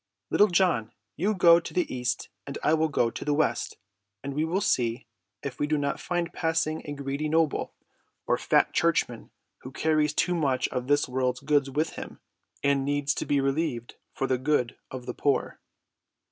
Little John, you go to the east and I will go to the west, and we will see if we do not find passing a greedy noble, or fat churchman who carries too much of this world's goods with him, and needs to be relieved for the good of the poor."